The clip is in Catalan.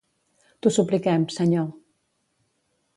T'ho supliquem, Senyor.